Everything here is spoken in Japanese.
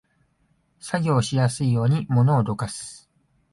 作業しやすいように物をどかす